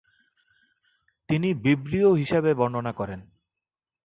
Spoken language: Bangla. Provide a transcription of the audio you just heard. তিনি ভিব্রিও হিসাবে বর্ণনা করেন।